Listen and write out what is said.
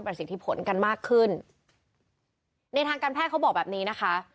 สิทธิผลกันมากขึ้นในทางการแพทย์เขาบอกแบบนี้นะคะ